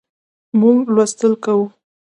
موږ لوستل کوو